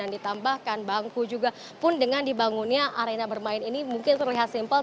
dan ditambahkan bangku juga pun dengan dibangunnya arena bermain ini mungkin terlihat simple